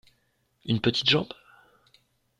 Une petite jambe.